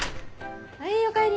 はいおかえり。